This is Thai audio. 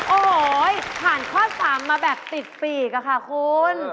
โอ้โหผ่านข้อ๓มาแบบติดปีกอะค่ะคุณ